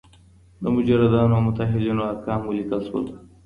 د مجردانو او متاهلينو ارقام وليکل سول.